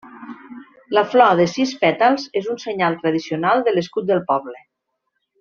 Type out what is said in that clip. La flor de sis pètals és un senyal tradicional de l'escut del poble.